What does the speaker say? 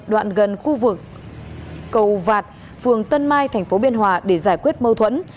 đoạn gần khu vực cầu vạt phường tân mai tp biên hòa để giải quyết mâu thuẫn